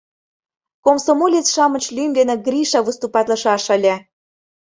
Комсомолец-шамыч лӱм дене Гриша выступатлышаш ыле.